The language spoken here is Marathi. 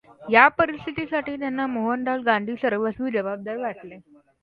या परिस्थितीसाठी त्यांना मोहनदास गांधी सर्वस्वी जवाबदार वाटले.